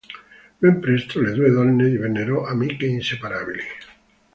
Ben presto le due donne divennero amiche, inseparabili.